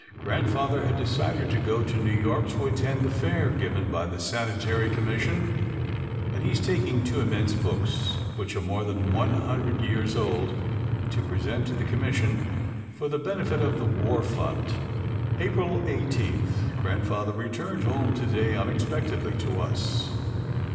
Grandfather had decided to go to New York to attend the fair given by the Sanitary Commission, and he is taking two immense books, which are more than one hundred years old, to present to the Commission, for the benefit of the war fund. April 18. Grandfather returned home to day, unexpectedly to us.